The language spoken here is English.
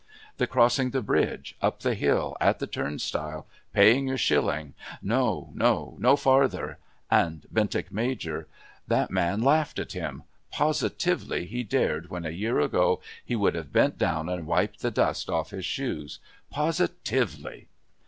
The crossing the bridge, up the hill, at the turnstile, paying your shilling...no, no, no farther. And Bentinck Major! That man laughed at him! Positively he dared, when a year ago he would have bent down and wiped the dust off his shoes! Positively!